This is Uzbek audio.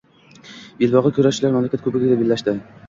Belg‘obli kurashchilar mamlakat kubogida bellashding